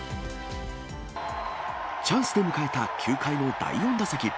チャンスで迎えた９回の第４打席。